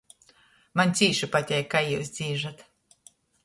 Maņ cīši pateik, kai jius dzīžat.